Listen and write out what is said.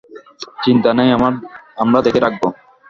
চিন্তা নেই, আমরা দেখে রাখবো।